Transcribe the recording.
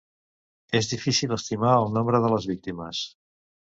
És difícil estimar el nombre de les víctimes.